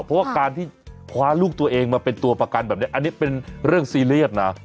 เพราะว่าการที่คว้าลูกตัวเองมาเป็นตัวประกันแบบนี้อันนี้เป็นเรื่องซีเรียสนะ